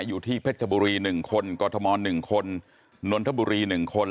อยู่ที่เพชรบุรี๑คนกรทม๑คนนนทบุรี๑คน